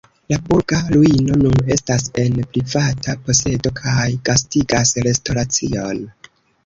La burga ruino nun estas en privata posedo kaj gastigas restoracion.